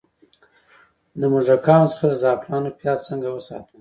د موږکانو څخه د زعفرانو پیاز څنګه وساتم؟